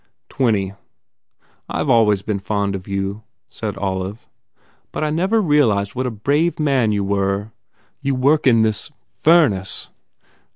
"Twenty." "I ve always been fond of you," said Olive, "but I never realized what a brave man you were ! You work in this furnace?